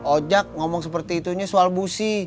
ojak ngomong seperti itunya soal busi